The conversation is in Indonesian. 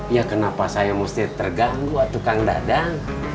ya kenapa saya mesti terganggu atau kang dadang